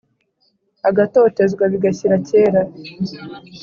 agatotezwa bigashyira kera